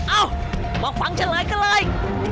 เอ้าบอกฟังฉันเลยกันเลย